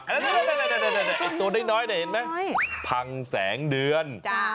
เดี๋ยวอีกตัวน้อยพังแสงเดือน